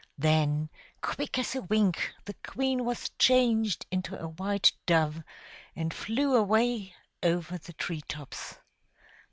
Then quick as a wink the queen was changed into a white dove and flew away over the tree tops.